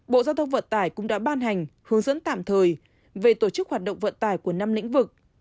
bộ giao thông vận tải cũng đã ban hành hướng dẫn tạm thời về tổ chức hoạt động vận tải của năm lĩnh vực